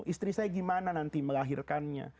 istri saya gimana nanti melahirkannya